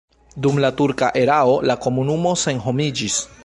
Dum la turka erao la komunumo senhomiĝis.